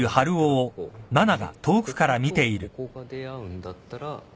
でこことここが出会うんだったら。